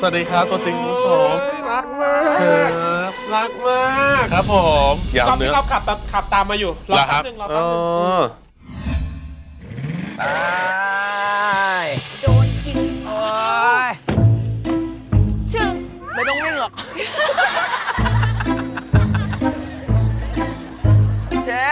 แตะตัวก่อนเตะตัวก่อนเร็วสังหานิดนึงอ่ะ